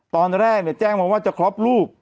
ตอนแรกเนี่ยแจ้งมาว่าจะครอบรูป